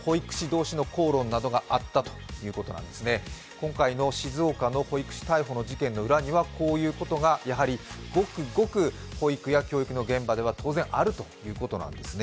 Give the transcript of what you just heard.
今回の静岡の保育士逮捕の背景にはこういうことがやはり、ごくごく保育や教育の現場では当然あるということなんですね。